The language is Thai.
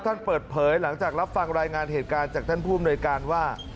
ท่านเปิดเผยหลังจากรับฟังรายงานเหตุการณ์จากท่านผู้อำนวยการว่า